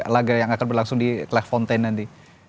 laga yang akan berlangsung di kelas fountain nanti